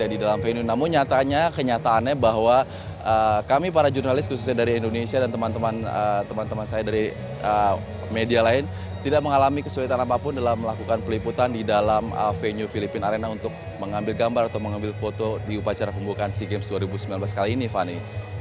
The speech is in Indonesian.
di dalam venue namun nyatanya kenyataannya bahwa kami para jurnalis khususnya dari indonesia dan teman teman saya dari media lain tidak mengalami kesulitan apapun dalam melakukan peliputan di dalam venue filipina arena untuk mengambil gambar atau mengambil foto di upacara pembukaan sea games dua ribu sembilan belas kali ini fani